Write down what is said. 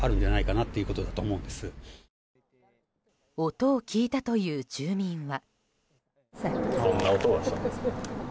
音を聞いたという住民は。